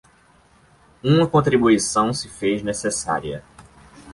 Uma contribuição se fez necessária